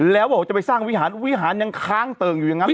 แล้วบอกว่าจะไปสร้างวิหารวิหารยังค้างเติ่งอยู่อย่างนั้น